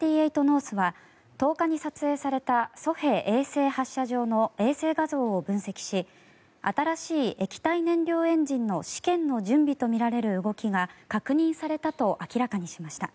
ノースは１０日に撮影された西海衛星発射場の衛星画像を分析し新しい液体燃料エンジンの試験の準備とみられる動きが確認されたと明らかにしました。